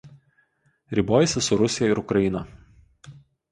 Ribojasi su Rusija ir Ukraina.